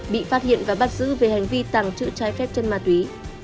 bị phát hiện và bắt giữ về hành vi tàng trữ trái phép chân ma túy